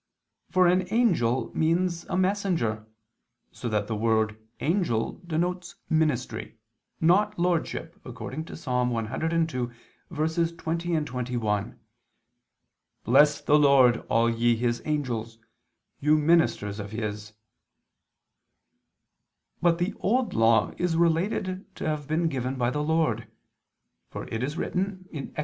For an angel means a "messenger"; so that the word "angel" denotes ministry, not lordship, according to Ps. 102:20, 21: "Bless the Lord, all ye His Angels ... you ministers of His." But the Old Law is related to have been given by the Lord: for it is written (Ex.